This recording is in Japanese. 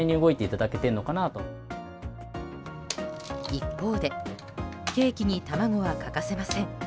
一方でケーキに卵は欠かせません。